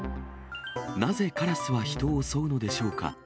なぜカラスは人を襲うのでしょうか。